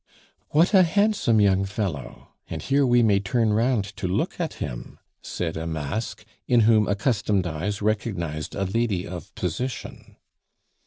"What a handsome young fellow; and here we may turn round to look at him," said a mask, in whom accustomed eyes recognized a lady of position.